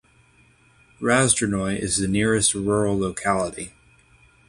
Razdrornoye is the nearest rural locality.